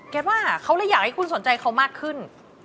ว่าเขาเลยอยากให้คุณสนใจเขามากขึ้น